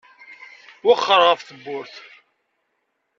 Wexxer ɣef tewwurt.